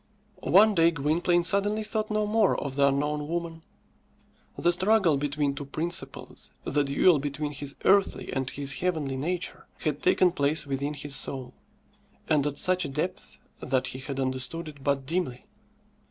One day Gwynplaine suddenly thought no more of the unknown woman. The struggle between two principles the duel between his earthly and his heavenly nature had taken place within his soul, and at such a depth that he had understood it but dimly.